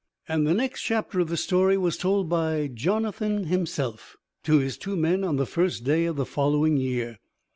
And the next chapter of the story was told by Jonathan himself to his two men on the first day of the following year.